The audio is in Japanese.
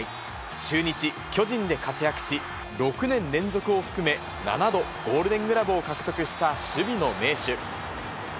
中日、巨人で活躍し、６年連続を含め、７度、ゴールデングラブを獲得した守備の名手。